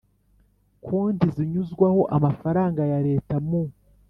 konti zinyuzwaho amafaranga ya Leta mu